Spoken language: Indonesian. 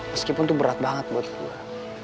meskipun tuh berat banget buat gue